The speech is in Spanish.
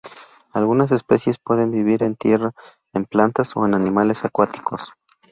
Algunas especies pueden vivir en tierra, en plantas o en animales acuáticos.